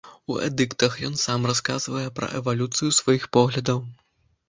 У эдыктах ён сам расказвае пра эвалюцыю сваіх поглядаў.